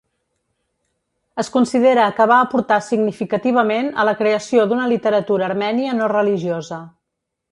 Es considera que va aportar significativament a la creació d'una literatura armènia no religiosa.